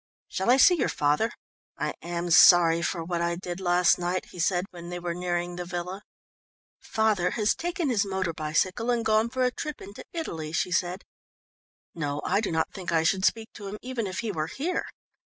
"Shall I see your father? I am sorry for what I did last night," he said when they were nearing the villa. "Father has taken his motor bicycle and gone for a trip into Italy," she said. "No, I do not think I should speak to him, even if he were here.